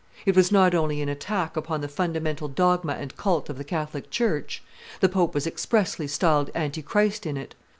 It was not only an attack upon the fundamental dogma and cult of the Catholic church; the pope was expressly styled Antichrist in it.